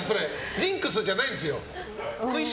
ジンクスじゃないんですよ。